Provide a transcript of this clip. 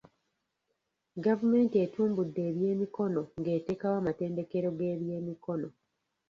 Gavumenti etumbudde eby'emikono ng'eteekawo amatendekero g'ebyemikono.